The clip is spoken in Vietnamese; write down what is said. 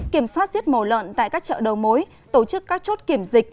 kiểm soát diết mồ lợn tại các chợ đầu mối tổ chức các chốt kiểm dịch